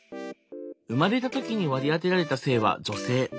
生まれた時に割り当てられた性は女性。